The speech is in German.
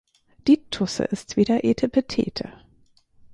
Die Tusse ist wieder etepetete.